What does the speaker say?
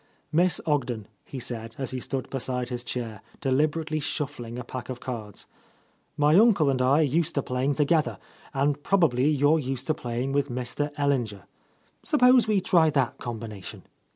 "Miss Ogden," he said as he stood beside his chair, deliberately shuffling a pack of cards, "my uncle and I are used to playing together, and probably you are used to playing with Mr. Ellin ger. Suppose we try that combination?"